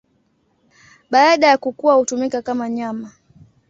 Baada ya kukua hutumika kama nyama.